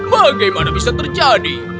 bagaimana bisa terjadi